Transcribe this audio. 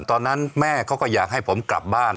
ตอนนั้นแม่เขาก็อยากให้ผมกลับบ้าน